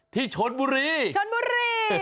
ที่ชนบุรีชนบุรี